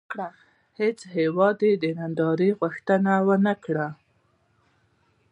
خو هېڅ هېواد یې د نندارې غوښتنه ونه کړه.